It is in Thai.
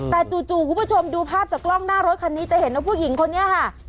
แต่จู่คุณผู้ชมดูภาพจากกล้องหน้ารถคันนี้จะเห็นว่าผู้หญิงคนนี้ค่ะ